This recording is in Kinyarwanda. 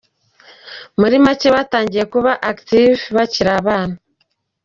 Muri make batangiye kuba “Active » bakiri abana.